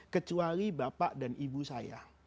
kecuali bapak dan ibu saya